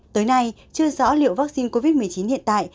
tới nay chưa rõ liệu vaccine covid một mươi chín hiện tại